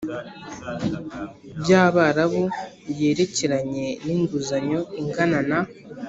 By abarabu yerekeranye n inguzanyo ingana na